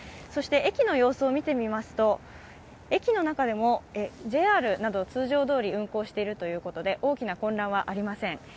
そして駅の様子を見てみますと、駅の中でもＪＲなど通常どおり運行しているということで、大きな混乱はありません。